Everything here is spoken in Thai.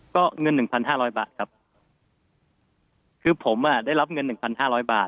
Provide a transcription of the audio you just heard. ก็เงิน๑๕๐๐บาทครับคือผมได้รับเงิน๑๕๐๐บาท